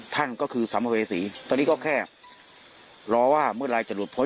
ท่านก็คือสัมภเวษีตอนนี้ก็แค่รอว่าเมื่อไหร่จะหลุดพ้น